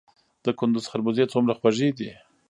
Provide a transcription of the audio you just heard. د کندز خربوزې څومره خوږې دي؟